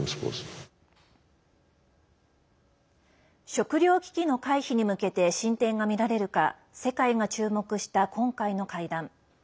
食糧危機の回避に向けて進展がみられるか世界が注目した今回の会談。